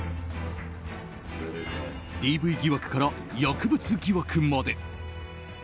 ＤＶ疑惑から薬物疑惑まで。